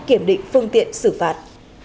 kiểm định phương tiện xử phạt